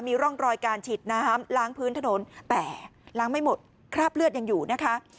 มีร่องรอยการฉีดน้ำล้างพื้นถนนแต่ล้างไม่หมดคราบเลือดยังอยู่นะคะ